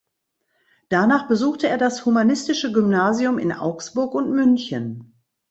Danach besuchte er das humanistische Gymnasium in Augsburg und München.